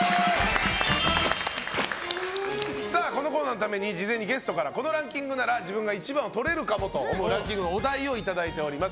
このコーナーのために事前にゲストからこのランキングなら自分が一番をとれるかもというランキングのお題をいただいております。